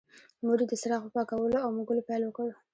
مور یې د څراغ په پاکولو او موږلو پیل وکړ.